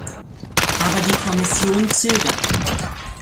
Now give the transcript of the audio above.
Aber die Kommission zögert.